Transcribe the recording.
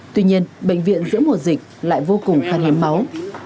tuy nhiên bệnh viện giữa mùa dịch lại vô cùng khan hiếm máu